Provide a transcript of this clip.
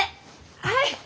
はい！